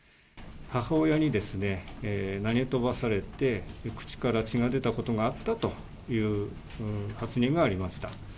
母親にですね、投げ飛ばされて、口から血が出たことがあったという発言がありました。